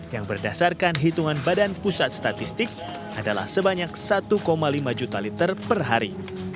yang berdasarkan hitungan badan pusat statistik adalah sebanyak satu lima juta liter per hari